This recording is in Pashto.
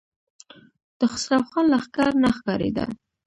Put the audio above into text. د خسرو خان لښکر نه ښکارېده.